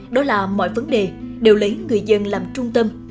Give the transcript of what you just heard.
đó là mọi vấn đề đều lấy người dân làm trung tâm